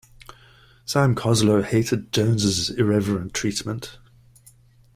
Sam Coslow hated Jones' irreverent treatment.